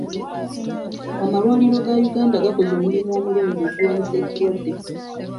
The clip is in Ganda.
Amalwaliro ga Uganda gakoze omulimu omulungi mu kulwanisa ekirwadde.